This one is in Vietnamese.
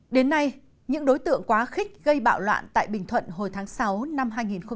đến nay những đối tượng quá khích gây bạo loạn tại bình thuận hồi tháng sáu năm hai nghìn một mươi chín